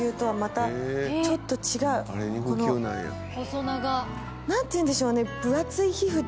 「細長」なんていうんでしょうね。